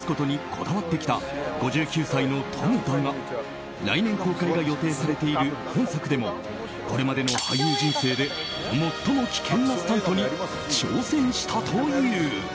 これまでも自ら危険なスタントシーンをこなすことにこだわってきた５９歳のトムだが来年公開が予定されている本作でもこれまでの俳優人生で最も危険なスタントに挑戦したという。